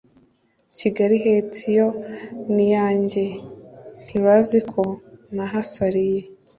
kigali heyiti yo niyanjye ntibaziko nahasariye